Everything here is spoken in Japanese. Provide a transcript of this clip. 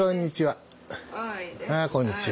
あこんにちは。